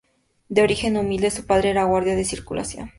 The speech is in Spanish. De origen humilde, su padre era guardia de circulación.